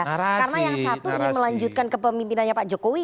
karena yang satu ini melanjutkan ke pemimpinannya pak jokowi